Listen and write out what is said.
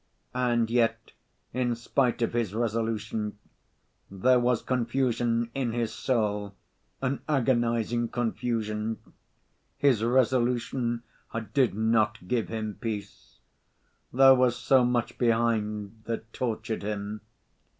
And yet, in spite of his resolution, there was confusion in his soul, an agonizing confusion: his resolution did not give him peace. There was so much behind that tortured him.